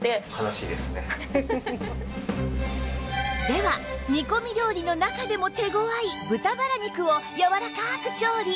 では煮込み料理の中でも手ごわい豚バラ肉をやわらかく調理